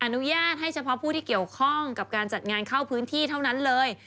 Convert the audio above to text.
อนุญาตให้เฉพาะผู้ที่เกี่ยวข้องกับการจัดงานเข้าพื้นที่เท่านั้นเลย